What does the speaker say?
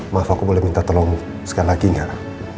maaf aku boleh minta tolong sekali lagi ngarah